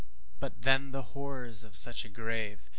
But then the horrors of such a grave!